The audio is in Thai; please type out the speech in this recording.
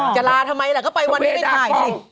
จะลาทำไมแหละก็ไปวันนี้ไม่ถ่าย